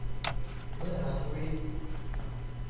เนื้อหาทวีต